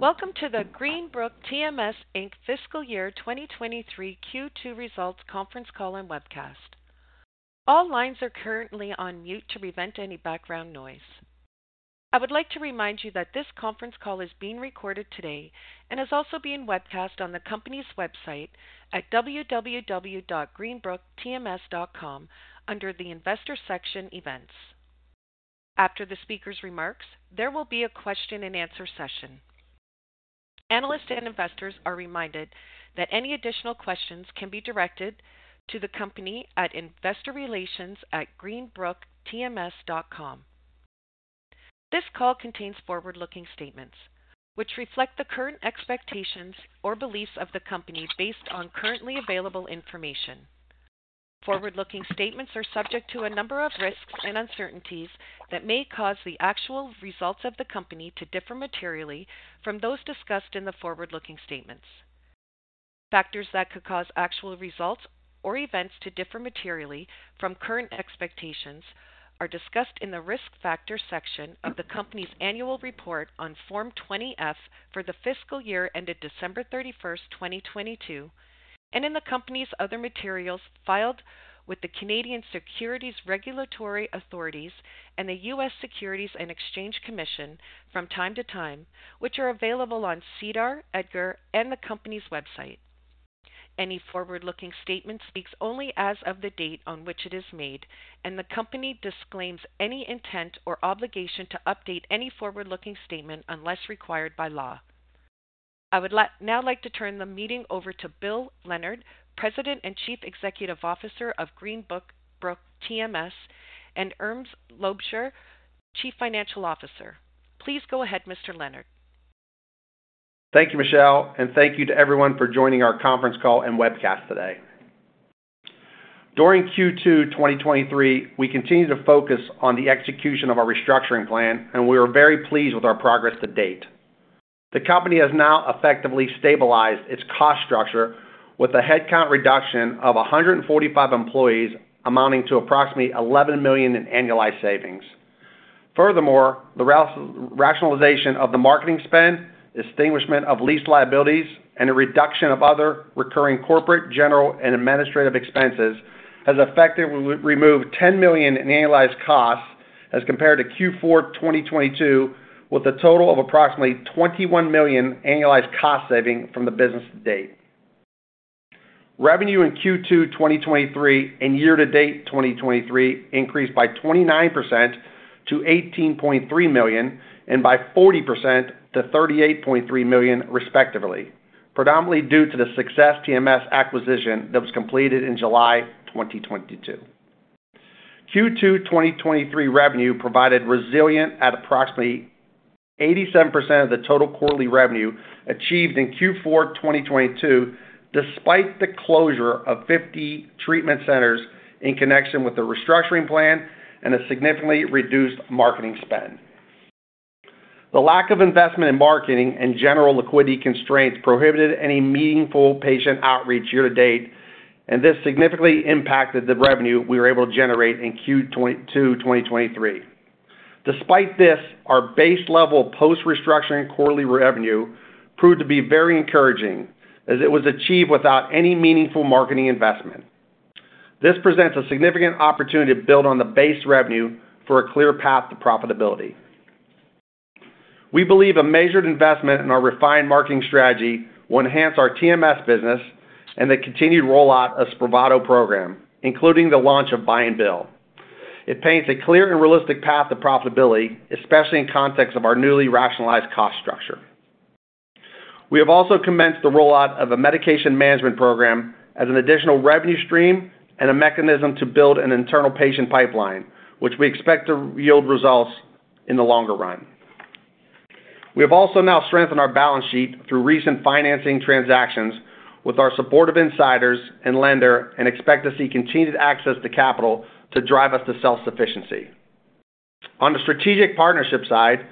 Welcome to the Greenbrook TMS Inc Fiscal Year 2023 Q2 Results Conference Call and Webcast. All lines are currently on mute to prevent any background noise. I would like to remind you that this conference call is being recorded today and is also being webcast on the company's website at www.greenbrooktms.com under the Investor section, Events. After the speaker's remarks, there will be a question-and-answer session. Analysts and investors are reminded that any additional questions can be directed to the company at investorrelations@greenbrooktms.com. This call contains forward-looking statements, which reflect the current expectations or beliefs of the company based on currently available information. Forward-looking statements are subject to a number of risks and uncertainties that may cause the actual results of the company to differ materially from those discussed in the forward-looking statements. Factors that could cause actual results or events to differ materially from current expectations are discussed in the Risk Factors section of the company's annual report on Form 20-F for the fiscal year ended December 31st, 2022, and in the company's other materials filed with the Canadian Securities Regulatory Authorities and the U.S. Securities and Exchange Commission from time to time, which are available on SEDAR, EDGAR, and the company's website. Any forward-looking statement speaks only as of the date on which it is made, and the company disclaims any intent or obligation to update any forward-looking statement unless required by law. I would now like to turn the meeting over to Bill Leonard, President and Chief Executive Officer of Greenbrook TMS, and Erns Loubser, Chief Financial Officer. Please go ahead, Mr. Leonard. Thank you, Michelle, and thank you to everyone for joining our conference call and webcast today. During Q2 2023, we continued to focus on the execution of our restructuring plan, and we are very pleased with our progress to date. The company has now effectively stabilized its cost structure with a headcount reduction of 145 employees, amounting to approximately $11 million in annualized savings. Furthermore, the rationalization of the marketing spend, establishment of lease liabilities, and a reduction of other recurring corporate, general, and administrative expenses has effectively removed $10 million in annualized costs as compared to Q4 2022, with a total of approximately $21 million annualized cost saving from the business to date. Revenue in Q2 2023 and year to date 2023 increased by 29% to $18.3 million and by 40% to $38.3 million respectively, predominantly due to the Success TMS acquisition that was completed in July 2022. Q2 2023 revenue provided resilient at approximately 87% of the total quarterly revenue achieved in Q4 2022, despite the closure of 50 treatment centers in connection with the restructuring plan and a significantly reduced marketing spend. The lack of investment in marketing and general liquidity constraints prohibited any meaningful patient outreach year to date, this significantly impacted the revenue we were able to generate in Q2 2023. Despite this, our base level post-restructuring quarterly revenue proved to be very encouraging as it was achieved without any meaningful marketing investment. This presents a significant opportunity to build on the base revenue for a clear path to profitability. We believe a measured investment in our refined marketing strategy will enhance our TMS business and the continued rollout of SPRAVATO program, including the launch of buy-and-bill. It paints a clear and realistic path to profitability, especially in context of our newly rationalized cost structure. We have also commenced the rollout of a medication management program as an additional revenue stream and a mechanism to build an internal patient pipeline, which we expect to yield results in the longer run. We have also now strengthened our balance sheet through recent financing transactions with our supportive insiders and lender, and expect to see continued access to capital to drive us to self-sufficiency. On the strategic partnership side,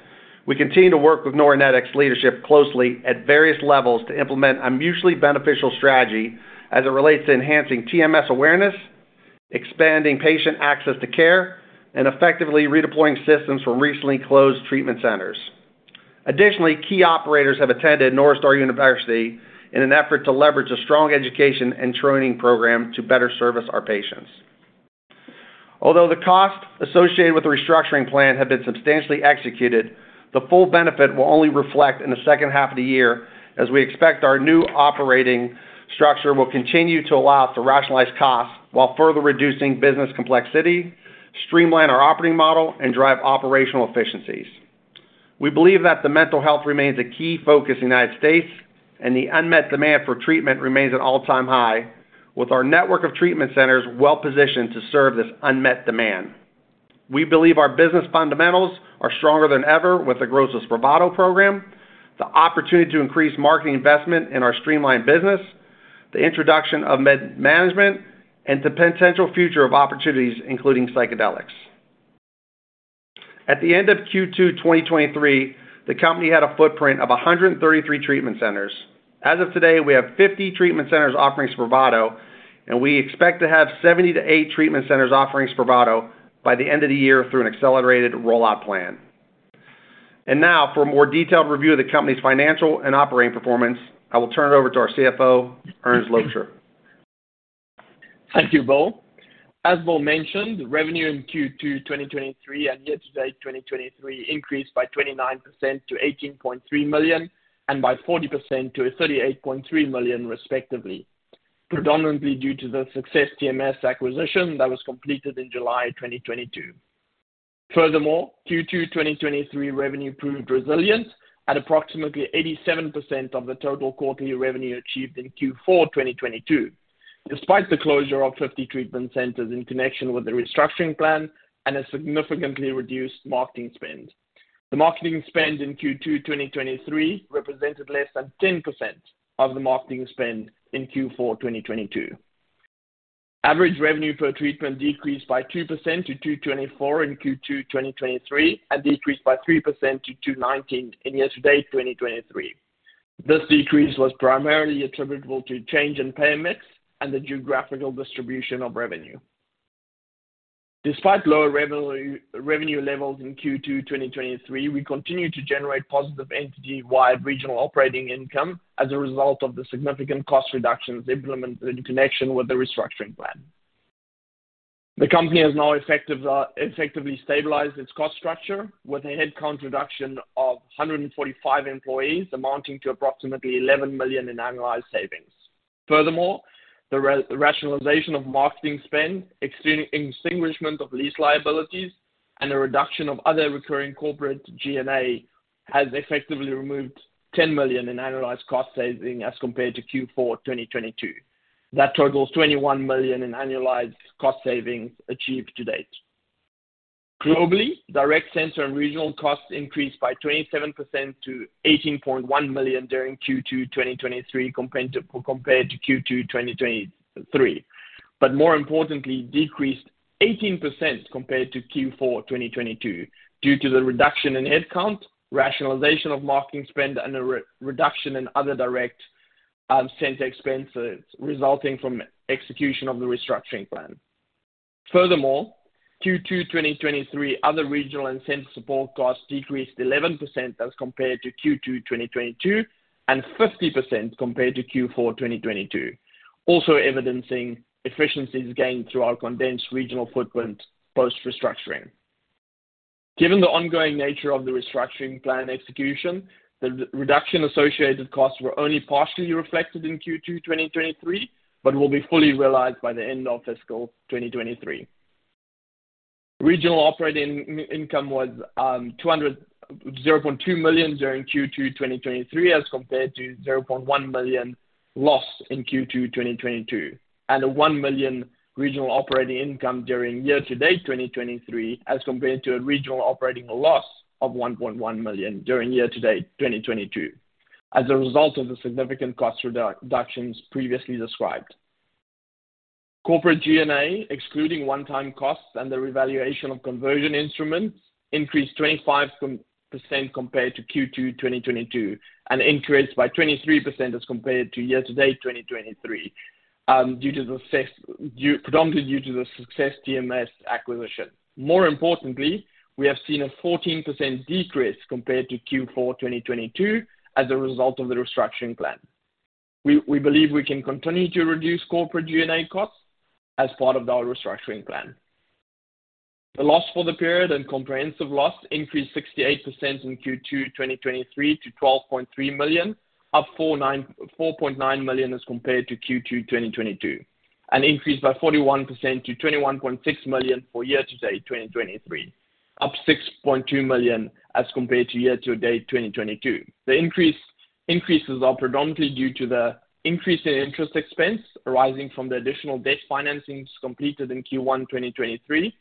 we continue to work with Neuronetics leadership closely at various levels to implement a mutually beneficial strategy as it relates to enhancing TMS awareness, expanding patient access to care, and effectively redeploying systems from recently closed treatment centers. Additionally, key operators have attended North Star University in an effort to leverage a strong education and training program to better service our patients. Although the costs associated with the restructuring plan have been substantially executed, the full benefit will only reflect in the second half of the year, as we expect our new operating structure will continue to allow us to rationalize costs while further reducing business complexity, streamline our operating model, and drive operational efficiencies. We believe that the mental health remains a key focus in the United States, and the unmet demand for treatment remains at an all-time high, with our network of treatment centers well positioned to serve this unmet demand. We believe our business fundamentals are stronger than ever with the growth of the SPRAVATO program, the opportunity to increase marketing investment in our streamlined business, the introduction of medication management, and the potential future of opportunities, including psychedelics. At the end of Q2 2023, the company had a footprint of 133 treatment centers. As of today, we have 50 treatment centers offering SPRAVATO. We expect to have 70 to 80 treatment centers offering SPRAVATO by the end of the year through an accelerated rollout plan. Now, for a more detailed review of the company's financial and operating performance, I will turn it over to our CFO, Erns Loubser. Thank you, Bill. As Bill mentioned, revenue in Q2 2023 and year-to-date 2023 increased by 29% to $18.3 million, and by 40% to $38.3 million, respectively. Predominantly due to the Success TMS acquisition that was completed in July 2022. Furthermore, Q2 2023 revenue proved resilient at approximately 87% of the total quarterly revenue achieved in Q4 2022, despite the closure of 50 treatment centers in connection with the restructuring plan and a significantly reduced marketing spend. The marketing spend in Q2 2023 represented less than 10% of the marketing spend in Q4 2022. Average revenue per treatment decreased by 2% to $224 in Q2 2023, and decreased by 3% to $219 in year-to-date 2023. This decrease was primarily attributable to change in pay mix and the geographical distribution of revenue. Despite lower revenue, revenue levels in Q2 2023, we continued to generate positive entity-wide regional operating income as a result of the significant cost reductions implemented in connection with the restructuring plan. The company has now effective, effectively stabilized its cost structure with a headcount reduction of 145 employees, amounting to approximately $11 million in annualized savings. Furthermore, the rationalization of marketing spend, extinguishment of lease liabilities, and a reduction of other recurring corporate G&A, has effectively removed $10 million in annualized cost saving as compared to Q4 2022. That totals $21 million in annualized cost savings achieved to date. Globally, direct center and regional costs increased by 27% to $18.1 million during Q2 2023, compared to, compared to Q2 2023. More importantly, decreased 18% compared to Q4 2022, due to the reduction in headcount, rationalization of marketing spend, and a reduction in other direct center expenses resulting from execution of the restructuring plan. Furthermore, Q2 2023, other regional and center support costs decreased 11% as compared to Q2 2022, and 50% compared to Q4 2022. Also evidencing efficiencies gained through our condensed regional footprint post-restructuring. Given the ongoing nature of the restructuring plan execution, the reduction associated costs were only partially reflected in Q2 2023, but will be fully realized by the end of fiscal 2023. Regional operating income was $0.2 million during Q2 2023, as compared to a $0.1 million loss in Q2 2022, and a $1 million Regional operating income during year-to-date 2023, as compared to a Regional operating loss of $1.1 million during year-to-date 2022, as a result of the significant cost reductions previously described. Corporate G&A, excluding one-time costs and the revaluation of conversion instruments, increased 25% compared to Q2 2022, and increased by 23% as compared to year-to-date 2023, predominantly due to the Success TMS acquisition. More importantly, we have seen a 14% decrease compared to Q4 2022, as a result of the restructuring plan. We believe we can continue to reduce corporate G&A costs as part of our restructuring plan. The loss for the period and comprehensive loss increased 68% in Q2 2023, to 12.3 million, up 4.9 million as compared to Q2 2022, and increased by 41% to 21.6 million for year-to-date 2023, up 6.2 million as compared to year-to-date 2022. The increase, increases are predominantly due to the increase in interest expense arising from the additional debt financings completed in Q1 2023.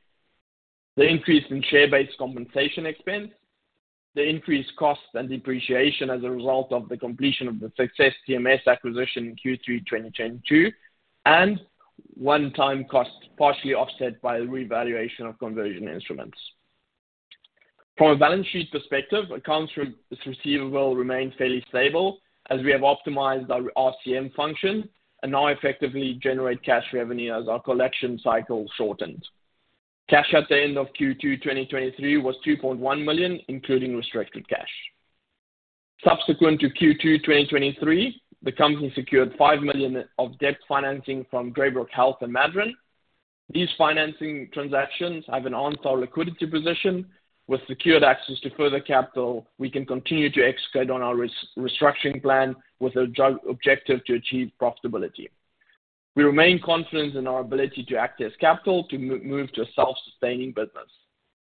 The increase in share-based compensation expense, the increased costs and depreciation as a result of the completion of the Success TMS acquisition in Q3 2022, and one-time costs, partially offset by the revaluation of conversion instruments. From a balance sheet perspective, accounts receivable remained fairly stable as we have optimized our RCM function and now effectively generate cash revenue as our collection cycle shortened. Cash at the end of Q2 2023 was $2.1 million, including restricted cash. Subsequent to Q2 2023, the company secured $5 million of debt financing from Greybrook Health and Madryn. These financing transactions have enhanced our liquidity position. With secured access to further capital, we can continue to execute on our restructuring plan with an objective to achieve profitability. We remain confident in our ability to access capital to move to a self-sustaining business.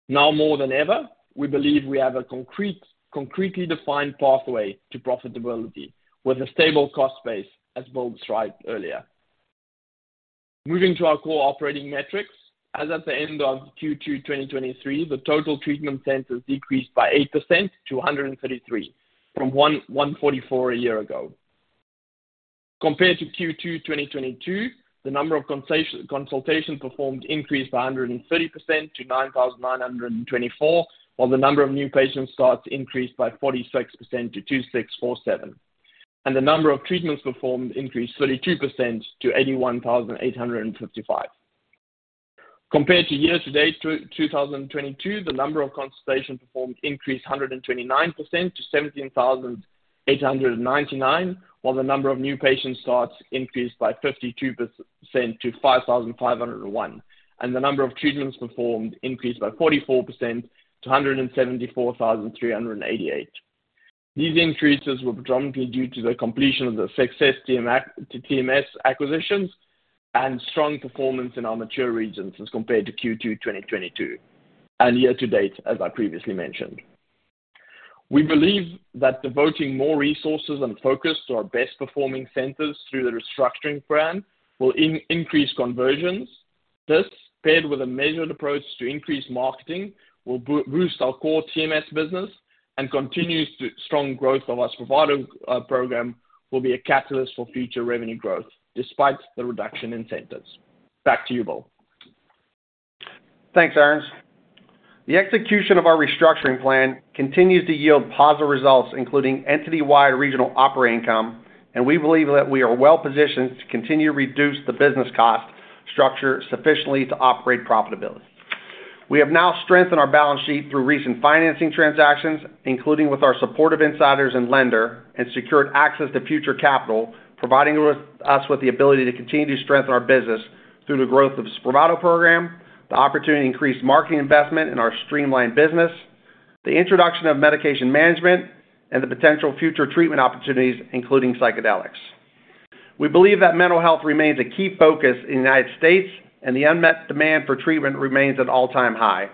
Now more than ever, we believe we have a concrete, concretely defined pathway to profitability with a stable cost base, as Bill described earlier. Moving to our core operating metrics. As at the end of Q2 2023, the total treatment centers decreased by 8% to 133 from 144 a year ago. Compared to Q2 2022, the number of consultations performed increased by 130% to 9,924, while the number of new patient starts increased by 46% to 2,647, and the number of treatments performed increased 32% to 81,855. compared to year-to-date 2022, the number of consultations performed increased 129% to 17,899, while the number of new patient starts increased by 52% to 5,501, and the number of treatments performed increased by 44% to 174,388. These increases were predominantly due to the completion of the Success TMS, TMS acquisitions and strong performance in our mature regions as compared to Q2 2022, and year-to-date, as I previously mentioned. We believe that devoting more resources and focus to our best-performing centers through the restructuring plan will increase conversions. This, paired with a measured approach to increase marketing, will boost our core TMS business and continues to strong growth of our SPRAVATO program, will be a catalyst for future revenue growth, despite the reduction in centers. Back to you, Bill. Thanks, Erns. The execution of our restructuring plan continues to yield positive results, including entity-wide regional operating income. We believe that we are well positioned to continue to reduce the business cost structure sufficiently to operate profitability. We have now strengthened our balance sheet through recent financing transactions, including with our supportive insiders and lender, secured access to future capital, providing with us with the ability to continue to strengthen our business through the growth of SPRAVATO program, the opportunity to increase marketing investment in our streamlined business, the introduction of medication management, and the potential future treatment opportunities, including psychedelics. We believe that mental health remains a key focus in the United States, the unmet demand for treatment remains at an all-time high.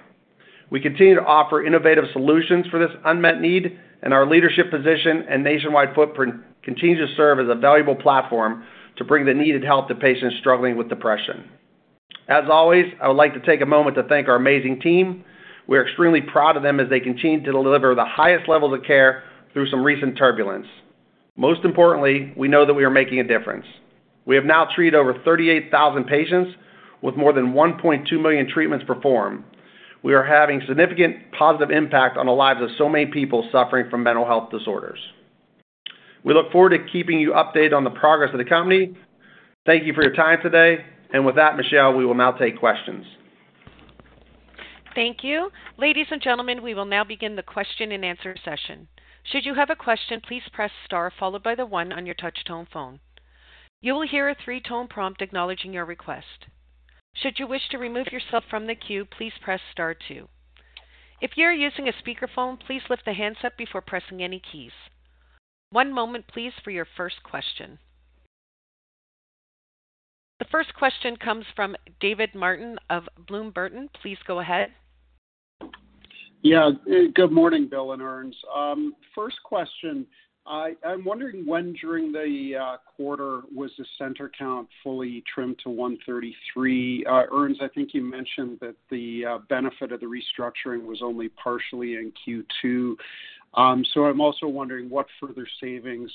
We continue to offer innovative solutions for this unmet need, and our leadership position and nationwide footprint continue to serve as a valuable platform to bring the needed help to patients struggling with depression. As always, I would like to take a moment to thank our amazing team. We are extremely proud of them as they continue to deliver the highest levels of care through some recent turbulence. Most importantly, we know that we are making a difference. We have now treated over 38,000 patients with more than 1.2 million treatments performed. We are having significant positive impact on the lives of so many people suffering from mental health disorders. We look forward to keeping you updated on the progress of the company. Thank you for your time today, and with that, Michelle, we will now take questions. Thank you. Ladies and gentlemen, we will now begin the question and answer session. Should you have a question, please press star followed by the one on your touch-tone phone. You will hear a 3-tone prompt acknowledging your request. Should you wish to remove yourself from the queue, please press star two. If you are using a speakerphone, please lift the handset before pressing any keys. One moment, please, for your first question. The first question comes from David Martin of Bloom Burton. Please go ahead. Yeah, good morning, Bill and Erns. First question, I, I'm wondering when during the quarter was the center count fully trimmed to 133? Erns, I think you mentioned that the benefit of the restructuring was only partially in Q2. I'm also wondering what further savings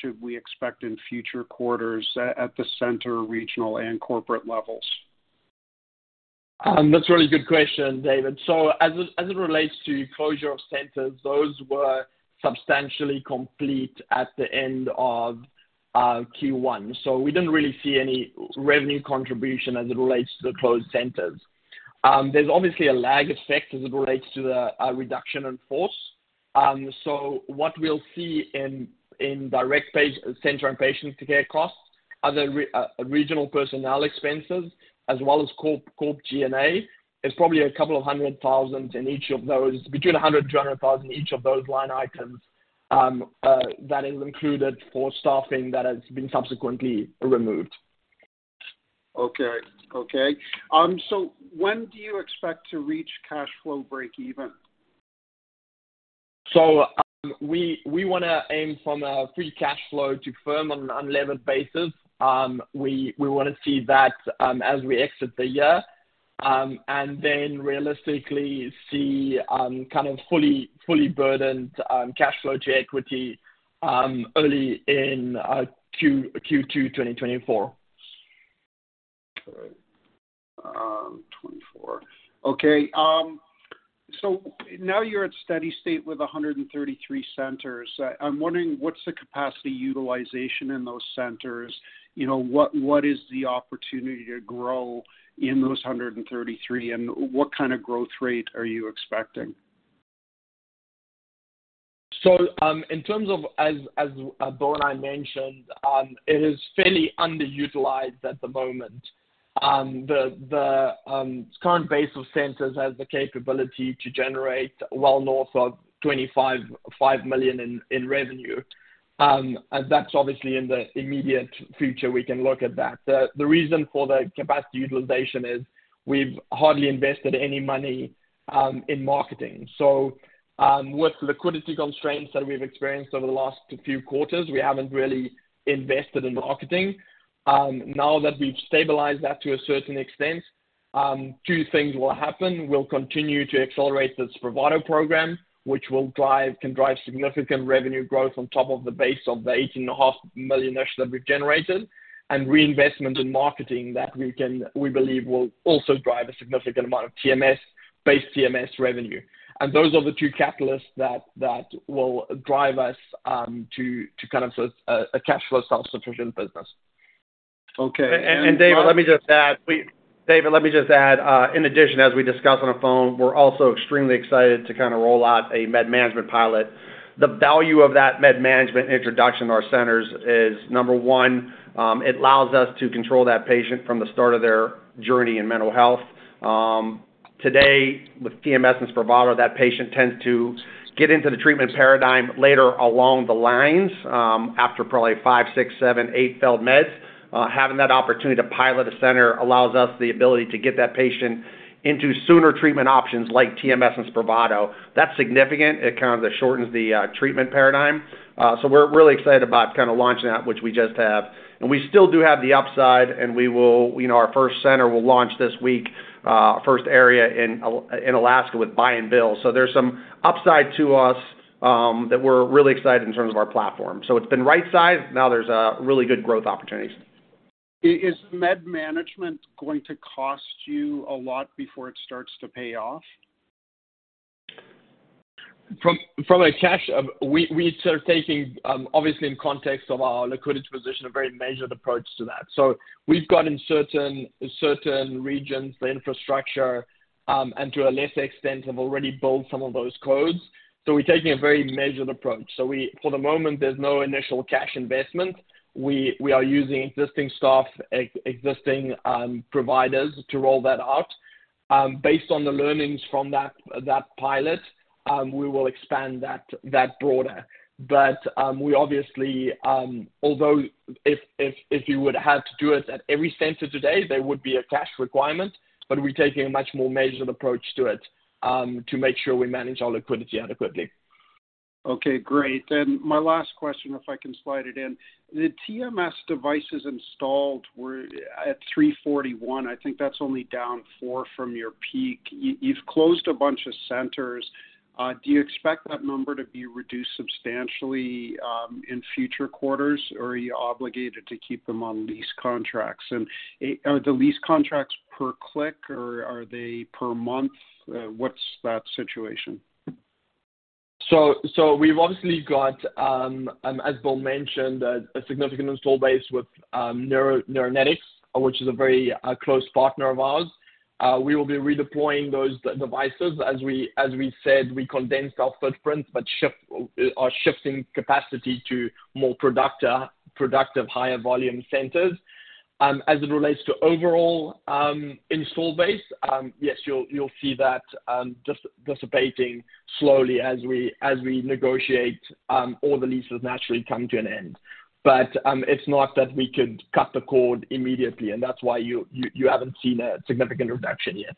should we expect in future quarters at, at the center, regional, and corporate levels? That's a really good question, David. As it, as it relates to closure of centers, those were substantially complete at the end of Q1. We didn't really see any revenue contribution as it relates to the closed centers. There's obviously a lag effect as it relates to the reduction in force. What we'll see in, in direct page center and patient care costs are the regional personnel expenses, as well as corp, corp G&A. It's probably $200,000 in each of those, between $100,000-$200,000 in each of those line items, that is included for staffing that has been subsequently removed. Okay. Okay. When do you expect to reach cash flow break even? We wanna aim from a free cash flow to firm on an unlevered basis. We wanna see that, as we exit the year, and then realistically see, kind of fully, fully burdened, cash flow to equity, early in Q2 2024. All right. 24. Okay, now you're at steady state with 133 centers. I'm wondering, what's the capacity utilization in those centers? You know, what, what is the opportunity to grow in those 133, and what kind of growth rate are you expecting? In terms of as, as Bill and I mentioned, it is fairly underutilized at the moment. The, the current base of centers has the capability to generate well north of $25.5 million in revenue. That's obviously in the immediate future, we can look at that. The, the reason for the capacity utilization is we've hardly invested any money in marketing. With liquidity constraints that we've experienced over the last few quarters, we haven't really invested in marketing. Now that we've stabilized that to a certain extent, two things will happen. We'll continue to accelerate the SPRAVATO program, which will drive, can drive significant revenue growth on top of the base of the $18.5 millionish that we've generated, and reinvestment in marketing that we believe will also drive a significant amount of TMS, base TMS revenue. Those are the two catalysts that, that will drive us, to, to kind of a, a, a cash flow self-sufficient business. Okay. David, let me just add, David, let me just add, in addition, as we discussed on the phone, we're also extremely excited to kind of roll out a medication management pilot. The value of that medication management introduction to our centers is, number one, it allows us to control that patient from the start of their journey in mental health. Today, with TMS and SPRAVATO, that patient tends to get into the treatment paradigm later along the lines, after probably five, six, seven, eight failed meds. Having that opportunity to pilot a center allows us the ability to get that patient into sooner treatment options like TMS and SPRAVATO. That's significant. It kind of shortens the treatment paradigm. So we're really excited about kind of launching that, which we just have. We still do have the upside, and we will... You know, our first center will launch this week, first area in Alaska with buy-and-bill. There's some upside to us that we're really excited in terms of our platform. It's been right-sized. Now there's really good growth opportunities. Is medication management going to cost you a lot before it starts to pay off? From, from a cash, we, we are taking, obviously, in context of our liquidity position, a very measured approach to that. We've got in certain, certain regions, the infrastructure, and to a lesser extent, have already built some of those codes. We're taking a very measured approach. For the moment, there's no initial cash investment. We, we are using existing staff, existing providers to roll that out. Based on the learnings from that, that pilot, we will expand that, that broader. We obviously, although if, if, if you would have to do it at every center today, there would be a cash requirement, but we're taking a much more measured approach to it, to make sure we manage our liquidity adequately. Okay, great. My last question, if I can slide it in: The TMS devices installed were at 341. I think that's only down four from your peak. You, you've closed a bunch of centers. Do you expect that number to be reduced substantially in future quarters, or are you obligated to keep them on lease contracts? Are the lease contracts per click, or are they per month? What's that situation? We've obviously got, as Bill mentioned, a significant install base with Neuronetics, which is a very close partner of ours. We will be redeploying those devices. As we said, we condensed our footprint, but are shifting capacity to more productive, higher volume centers. As it relates to overall install base, yes, you'll see that just dissipating slowly as we negotiate all the leases naturally come to an end. It's not that we could cut the cord immediately, and that's why you haven't seen a significant reduction yet.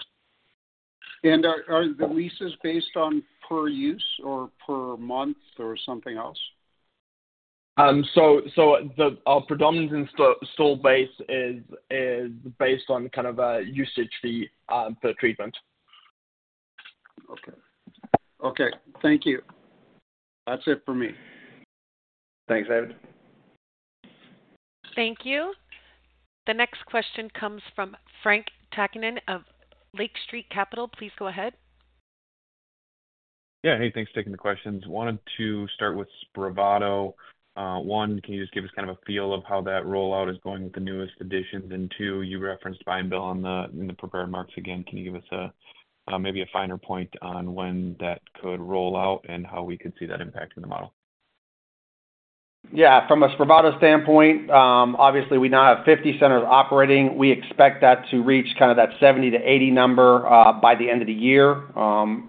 Are the leases based on per use or per month or something else? Our predominant install, install base is, is based on kind of a usage fee, per treatment. Okay. Okay, thank you. That's it for me. Thanks, David. Thank you. The next question comes from Frank Takkinen of Lake Street Capital. Please go ahead. Yeah. Hey, thanks for taking the questions. Wanted to start with SPRAVATO. One, can you just give us kind of a feel of how that rollout is going with the newest additions? Two, you referenced buy-and-bill on the, in the prepared marks. Again, can you give us a, maybe a finer point on when that could roll out and how we could see that impact in the model? Yeah. From a SPRAVATO standpoint, obviously, we now have 50 centers operating. We expect that to reach kind of that 70-80 number by the end of the year.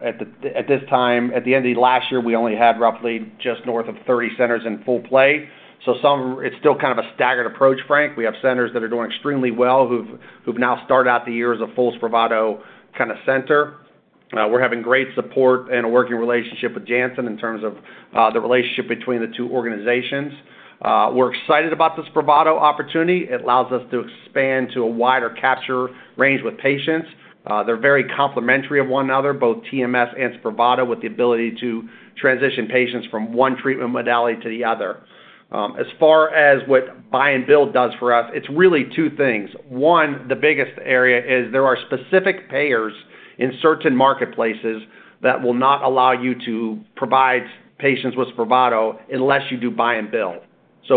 At this time, at the end of last year, we only had roughly just north of 30 centers in full play. It's still kind of a staggered approach, Frank. We have centers that are doing extremely well, who've, who've now started out the year as a full SPRAVATO kind of center. We're having great support and a working relationship with Janssen in terms of the relationship between the two organizations. We're excited about the SPRAVATO opportunity. It allows us to expand to a wider capture range with patients. They're very complementary of one another, both TMS and SPRAVATO, with the ability to transition patients from one treatment modality to the other. As far as what buy-and-bill does for us, it's really two things. One, the biggest area is there are specific payers in certain marketplaces that will not allow you to provide patients with SPRAVATO unless you do buy-and-bill.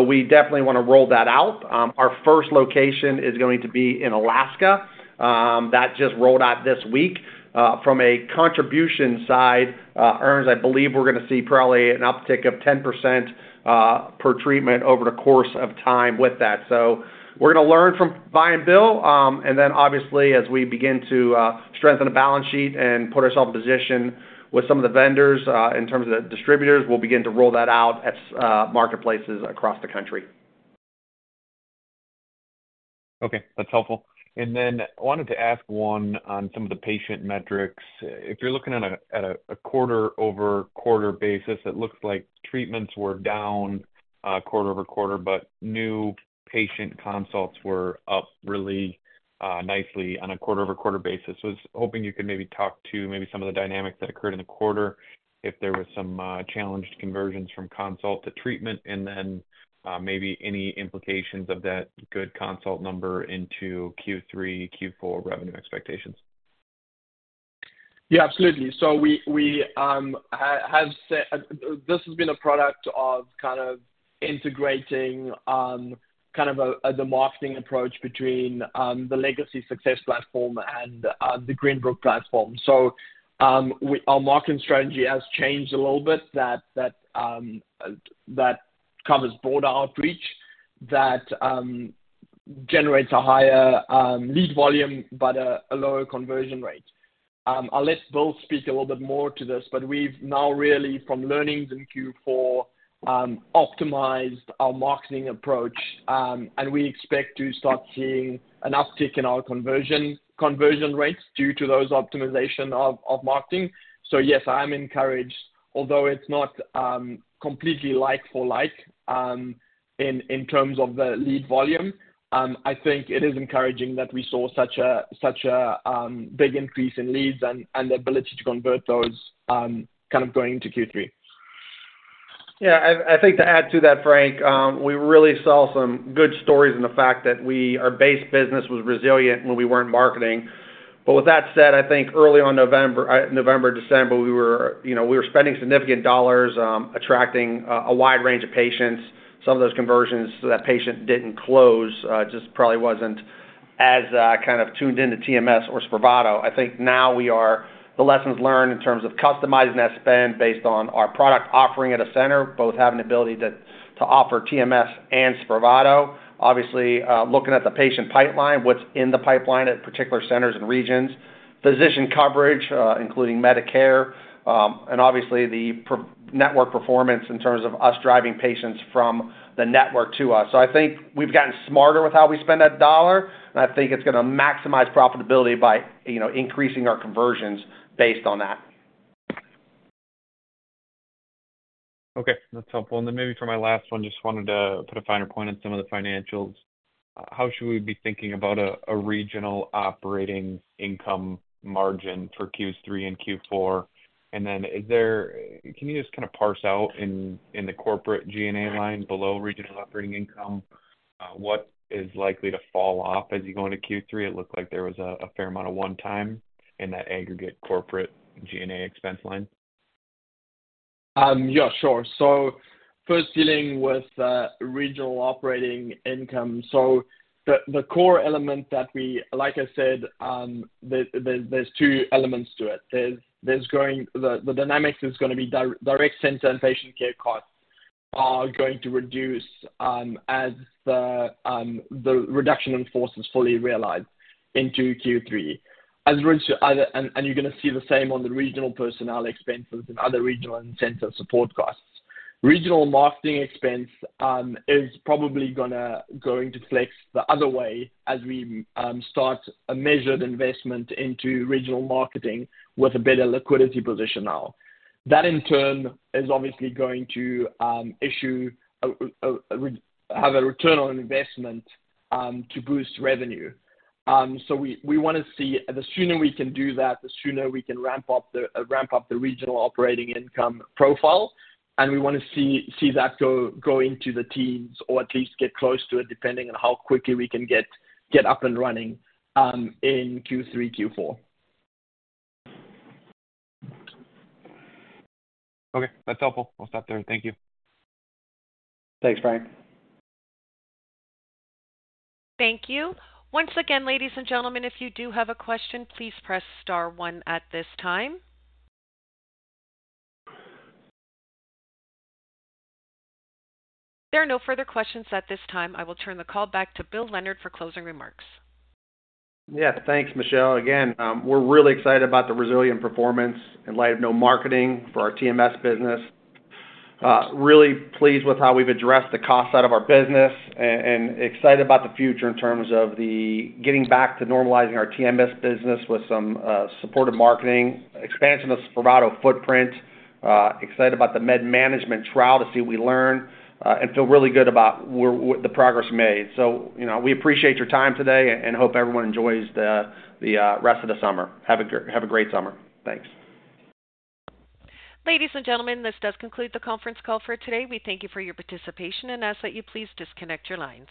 We definitely want to roll that out. Our first location is going to be in Alaska, that just rolled out this week. From a contribution side, Erns, I believe we're going to see probably an uptick of 10%, per treatment over the course of time with that. We're going to learn from buy-and-bill, and then obviously, as we begin to strengthen the balance sheet and put ourselves in position with some of the vendors, in terms of the distributors, we'll begin to roll that out at marketplaces across the country. Okay, that's helpful. Then I wanted to ask one on some of the patient metrics. If you're looking at a, at a, a quarter-over-quarter basis, it looks like treatments were down, quarter-over-quarter, but new patient consults were up really, nicely on a quarter-over-quarter basis. I was hoping you could maybe talk to maybe some of the dynamics that occurred in the quarter, if there was some, challenged conversions from consult to treatment, then, maybe any implications of that good consult number into Q3, Q4 revenue expectations. Yeah, absolutely. We, we have said, this has been a product of kind of integrating, kind of the marketing approach between the legacy Success platform and the Greenbrook platform. We, our marketing strategy has changed a little bit that, that covers broader outreach that generates a higher lead volume, but a lower conversion rate. I'll let Bill speak a little bit more to this, but we've now really, from learnings in Q4, optimized our marketing approach, and we expect to start seeing an uptick in our conversion, conversion rates due to those optimization of marketing. Yes, I'm encouraged, although it's not completely like for like, in terms of the lead volume. I think it is encouraging that we saw such a, such a, big increase in leads and, and the ability to convert those, kind of going into Q3. Yeah, I, I think to add to that, Frank, we really saw some good stories in the fact that we, our base business was resilient when we weren't marketing. But with that said, I think early on November, November, December, we were, you know, we were spending significant dollars, attracting a wide range of patients. Some of those conversions, so that patient didn't close, just probably wasn't as kind of tuned into TMS or SPRAVATO. I think now we are-- the lessons learned in terms of customizing that spend based on our product offering at a center, both having the ability to, to offer TMS and SPRAVATO. Obviously, looking at the patient pipeline, what's in the pipeline at particular centers and regions, physician coverage, including Medicare, and obviously the pr- network performance in terms of us driving patients from the network to us. I think we've gotten smarter with how we spend that dollar, and I think it's gonna maximize profitability by, you know, increasing our conversions based on that. Okay, that's helpful. Then maybe for my last one, just wanted to put a finer point on some of the financials. How should we be thinking about a regional operating income margin for Q3 and Q4? Then is there, can you just kind of parse out in the corporate G&A line, below regional operating income, what is likely to fall off as you go into Q3? It looked like there was a fair amount of one time in that aggregate corporate G&A expense line. Yeah, sure. First dealing with regional operating income. The core element that we like I said, there's two elements to it. The dynamics is going to be direct center and patient care costs are going to reduce as the reduction in force is fully realized into Q3. As regard to other, you're going to see the same on the regional personnel expenses and other regional and center support costs. Regional marketing expense is probably going to flex the other way as we start a measured investment into regional marketing with a better liquidity position now. In turn, is obviously going to have a return on investment to boost revenue. We, we wanna see the sooner we can do that, the sooner we can ramp up the, ramp up the regional operating income profile, and we wanna see, see that go, go into the teens, or at least get close to it, depending on how quickly we can get, get up and running, in Q3, Q4. Okay, that's helpful. I'll stop there. Thank you. Thanks, Frank. Thank you. Once again, ladies and gentlemen, if you do have a question, please press star one at this time. There are no further questions at this time. I will turn the call back to Bill Leonard for closing remarks. Yeah, thanks, Michelle. Again, we're really excited about the resilient performance in light of no marketing for our TMS business. Really pleased with how we've addressed the cost out of our business and excited about the future in terms of the getting back to normalizing our TMS business with some supportive marketing, expansion of SPRAVATO footprint, excited about the medication management trial to see what we learn, and feel really good about where, what the progress made. You know, we appreciate your time today, and hope everyone enjoys the rest of the summer. Have a great summer. Thanks. Ladies and gentlemen, this does conclude the conference call for today. We thank you for your participation and ask that you please disconnect your lines.